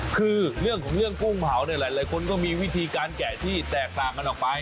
คือเรื่องของเรื่องกุ้งเผาเนี่ยหลายคนก็มีวิธีการแกะที่แตกต่างกันออกไป